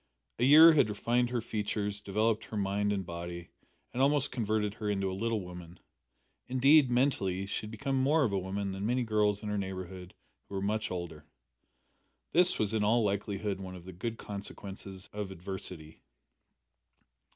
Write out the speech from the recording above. A year had refined her features, developed her mind and body, and almost converted her into a little woman. Indeed, mentally, she had become more of a woman than many girls in her neighbourhood who were much older. This was in all likelihood one of the good consequences of adversity.